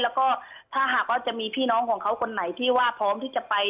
แล้วก็ถ้าหากว่าจะมีพี่น้องของเขาคนไหนที่ว่าพร้อมที่จะไป